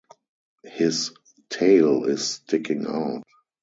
His tail is sticking out!